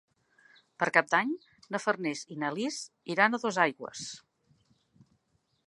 Per Cap d'Any na Farners i na Lis iran a Dosaigües.